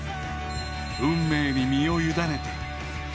運命に身をゆだねて。